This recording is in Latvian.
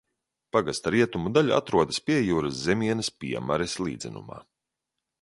Pagasta rietumu daļa atrodas Piejūras zemienes Piemares līdzenumā.